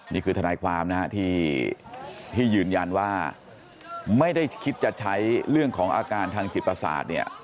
ทนายความนะฮะที่ยืนยันว่าไม่ได้คิดจะใช้เรื่องของอาการทางจิตประสาทเนี่ย